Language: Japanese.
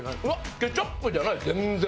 ケチャップじゃない全然。